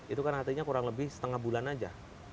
itu kan artinya kurang lebih setengah bulan saja